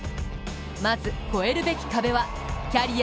まず超えるべき壁はキャリア